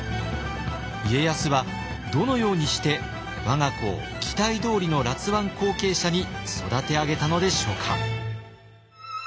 家康はどのようにして我が子を期待どおりの辣腕後継者に育て上げたのでしょうか。